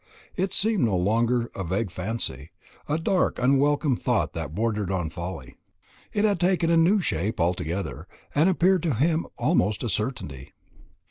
It seemed no longer a vague fancy, a dark unwelcome thought that bordered on folly. It had taken a new shape altogether, and appeared to him almost a certainty.